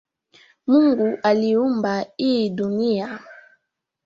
Mungu aliumba hii dunia